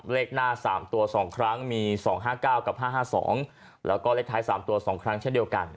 เลขหน้าสามตัวสองครั้งมีสองห้าเก้ากับห้าห้าสองแล้วก็เลขท้ายสามตัวสองครั้งเช่นเดียวกัน